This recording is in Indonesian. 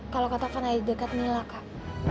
kalau kak tovan ada dekat mila kak